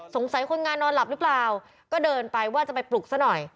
คนงานนอนหลับหรือเปล่าก็เดินไปว่าจะไปปลุกซะหน่อย